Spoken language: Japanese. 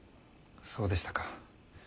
そうでしたか。